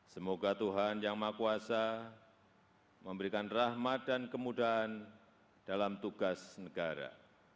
semoga tuhan yang maha kuasa memberikan rahmat dan kemudahan dalam tugas negara